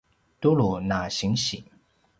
tulu na sinsi